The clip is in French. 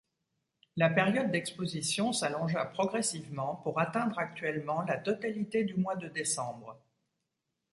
La période d'exposition s'allongea progressivement pour atteindre actuellement la totalité du mois de décembre.